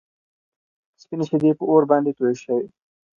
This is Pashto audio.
سپينې شيدې په اور باندې توی شوې.